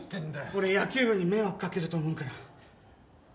俺野球部に迷惑かけると思うから退部させてくれ。